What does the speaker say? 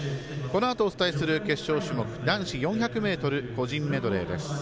このあとお伝えする決勝種目男子４００ｍ個人メドレーです。